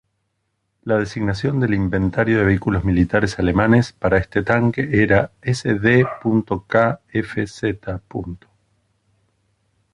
La designación del inventario de vehículos militares alemanes para este tanque era Sd.Kfz.